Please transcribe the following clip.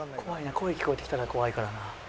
声聞こえてきたら怖いからな。